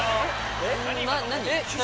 何？